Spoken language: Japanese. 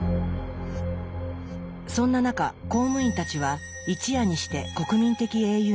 そんな中公務員たちは一夜にして国民的英雄になりました。